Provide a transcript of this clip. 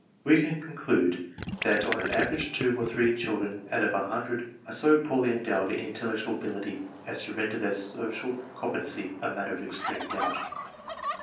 We can conclude then that on an average two or three children out of a hundred are so poorly endowed in intellectual ability as to render their social competency a matter of extreme doubt.